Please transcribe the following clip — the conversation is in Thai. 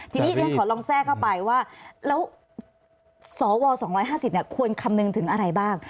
ทีนี้เรียนขอลองแทรกเข้าไปว่าแล้วสว๒๕๐ควรคำนึงถึงอะไรบ้าง